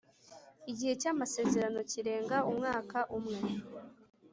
Igihe cy’amasezerano kirenga umwaka umwe